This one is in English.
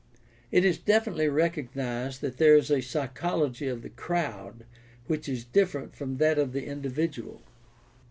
— It is definitely recognized that there is a psy chology of the crowd which is different from that of the individual.